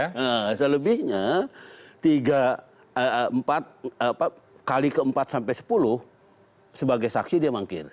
nah selebihnya empat kali keempat sampai sepuluh sebagai saksi dia mangkir